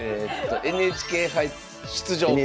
「ＮＨＫ杯出場」か。